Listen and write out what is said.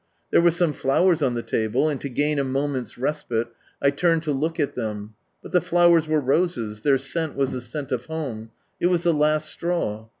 There were some flowers on the table, and to gain a moment's respite, I turned to look at them, but the flowers were roses, their scent was the scent of home, it was the "last straw.